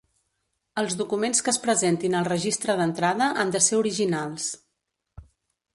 Els documents que es presentin al Registre d'entrada han de ser originals.